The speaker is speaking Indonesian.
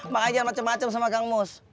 mengajar macem macem sama kang mus